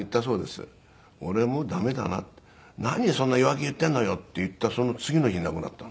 「何そんな弱気言ってんのよ」って言ったその次の日に亡くなったの。